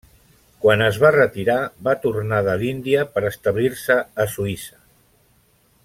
Quan es va retirar, va tornar de l'Índia per establir-se a Suïssa.